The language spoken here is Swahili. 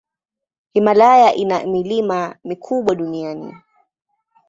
Himalaya ina milima mikubwa duniani.